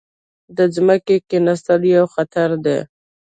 د ځمکې کیناستل یو خطر دی.